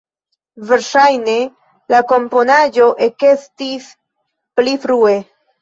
Verŝajne la komponaĵo ekestis pli frue.